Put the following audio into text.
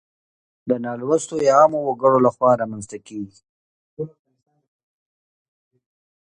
د نالوستو يا عامو وګړو لخوا رامنځته کيږي.